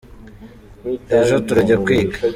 Ejo turajya kwiga.